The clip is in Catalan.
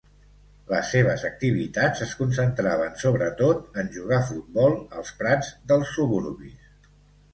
Les seves activitats es concentraven sobretot en jugar futbol als prats dels suburbis.